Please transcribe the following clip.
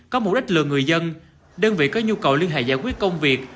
có mục đích lừa người dân đơn vị có nhu cầu liên hệ giải quyết công việc